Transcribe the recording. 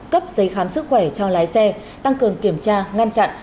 cấp giấy khám sức khỏe cho lái xe tăng cường kiểm tra ngăn chặn